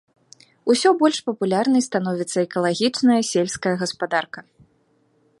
Усё больш папулярнай становіцца экалагічная сельская гаспадарка.